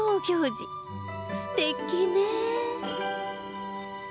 すてきね。